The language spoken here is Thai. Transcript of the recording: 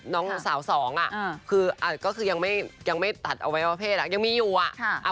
น้องสาวสองอะก็คือยังไม่ตัดเอาไว้ว่าเพศอะยังมีอยู่อะ